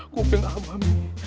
kuping abah mi